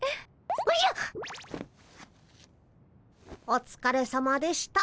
おつかれさまでした。